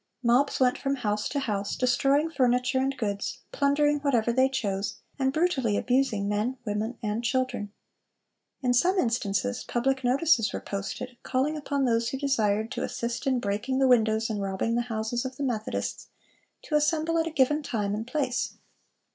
Mobs went from house to house, destroying furniture and goods, plundering whatever they chose, and brutally abusing men, women, and children. In some instances, public notices were posted, calling upon those who desired to assist in breaking the windows and robbing the houses of the Methodists, to assemble at a given time and place.